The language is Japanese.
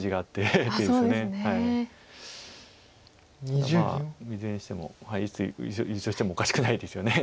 ただまあいずれにしてもいつ優勝してもおかしくないですよね。